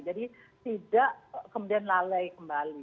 jadi tidak kemudian lalai kembali